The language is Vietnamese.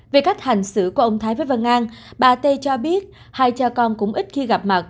về cách hành xử của ông thái với văn an bà t cho biết hai cha con cũng ít khi gặp mặt